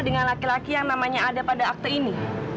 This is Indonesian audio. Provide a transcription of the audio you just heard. dengan laki laki yang namanya ada pada akte ini